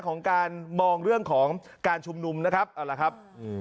ของการมองเรื่องของการชุมนุมนะครับ